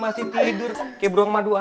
pagi pagi masih tidur kaya beruang madu aja lo